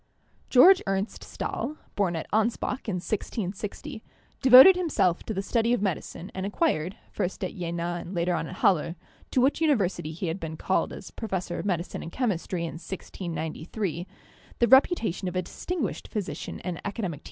Georg Ernst Stahl, born at Anspach in 1660, devoted himself to the study of medicine and acquired, first at Jena and later on at Halle — to which university he had been called as professor of medicine and chemistry in 1693 — the reputation of a distinguished physician and academic THE PHLOGISTIC